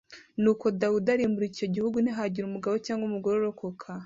nuko dawidi arimbura icyo gihugu ntihagira umugabo cyangwa umugore urokoka